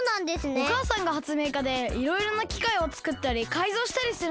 おかあさんがはつめいかでいろいろなきかいをつくったりかいぞうしたりするのがとくいなんだよ。